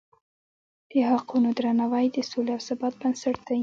د حقونو درناوی د سولې او ثبات بنسټ دی.